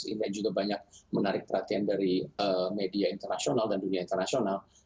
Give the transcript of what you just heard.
ini juga banyak menarik perhatian dari media internasional dan dunia internasional